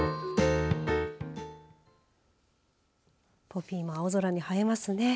ポピーも青空に映えますね。